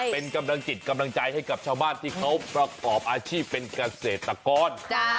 เป็นกำลังจิตกำลังใจให้กับชาวบ้านที่เขาประกอบอาชีพเป็นเกษตรกร